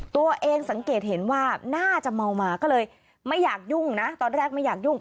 ตัวเองสังเกตเห็นว่าน่าจะเมามาก็เลยไม่อยากยุ่งนะตอนแรกไม่อยากยุ่ง